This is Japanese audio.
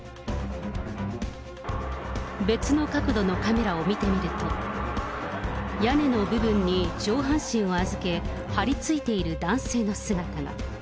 別の角度のカメラを見てみると、屋根の部分に上半身をあずけ、張り付いている男性の姿が。